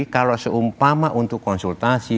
kalau seumpama untuk konsultasi